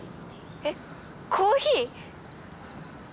「えっ？コーヒー？」